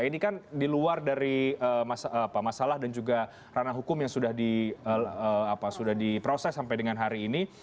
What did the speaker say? ini kan di luar dari masalah dan juga ranah hukum yang sudah diproses sampai dengan hari ini